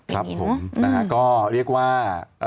ครับผมก็เรียกว่า